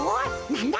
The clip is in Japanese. なんだ？